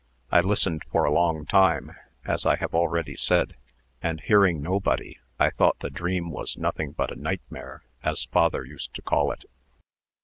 I listened for a long time, as I have already said, and, hearing nobody, I thought the dream was nothing but a nightmare, as father used to call it."